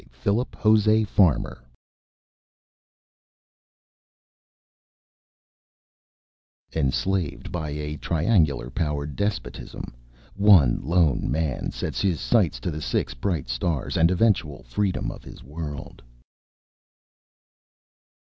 Philip José Farmer_ Enslaved by a triangular powered despotism one lone man sets his sights to the Six Bright Stars and eventual freedom of his world.